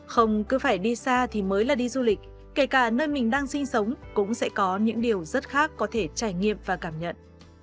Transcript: không cứ phải đi xa thì mới là đi du lịch kể cả nơi mình đang sinh sống cũng sẽ có những điều rất khác có thể trải nghiệm và cảm nhận